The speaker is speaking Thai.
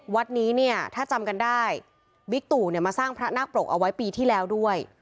วัดนี้เนี่ยถ้าจำกันได้บิ๊กตู่เนี่ยมาสร้างพระนาคปรกเอาไว้ปีที่แล้วด้วย